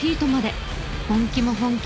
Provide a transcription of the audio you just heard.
本気も本気。